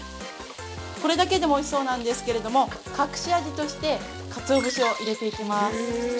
これだけでもおいしそうなんですけれども、隠し味としてカツオ節を入れていきます。